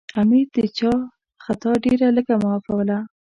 امیر د چا خطا ډېره لږه معافوله.